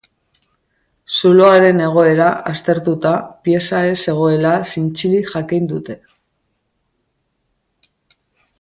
Zuloaren egoera aztertuta, pieza ez zegoela zintzilik jakin dute